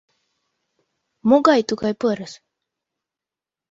— Могай-тугай пырыс?